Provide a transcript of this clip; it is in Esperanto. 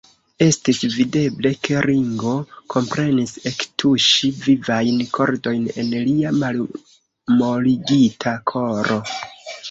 Estis videble, ke Ringo komprenis ektuŝi vivajn kordojn en lia malmoligita koro.